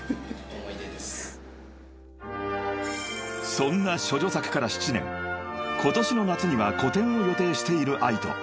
［そんな処女作から７年今年の夏には個展を予定しているＡＩＴＯ］